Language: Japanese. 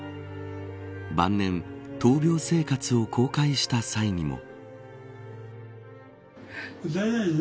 晩年闘病生活を公開した際にも。